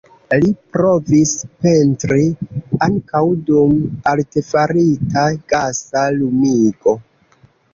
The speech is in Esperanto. Li provis pentri ankaŭ dum artefarita, gasa lumigo.